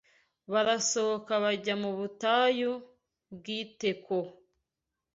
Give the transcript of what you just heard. barasohoka bajya mu butayu bw’ i Tekowa